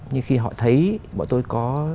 nhưng khi họ thấy bọn tôi có